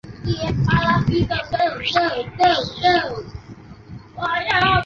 伯特利得到拿到知名哈蒙学院入学许可的薛门史瑞德等高中同学的帮助。